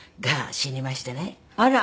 あら。